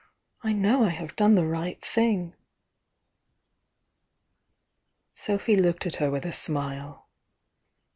I know I have done the right thing." Sophy looked at her with a smile.